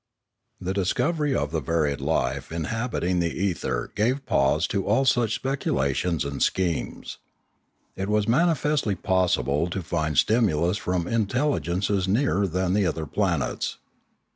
The discovery of the varied life inhabiting the ether gave pause to all such speculations and schemes. It was manifestly possible to find stimulus from intelli gences nearer than the other planets.